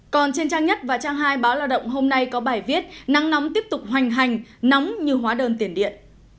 còn trên trang nhất và trang hai báo lao động hôm nay có bài viết nắng nóng tiếp tục hoành hành nóng như hóa đơn tiền điện